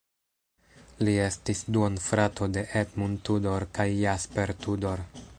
Li estis duonfrato de Edmund Tudor kaj Jasper Tudor.